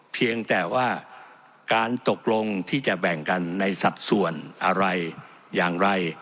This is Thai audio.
เพียงแต่ว่าการตกลงที่จะแบ่งกันในสัดส่วนอะไรอย่างไร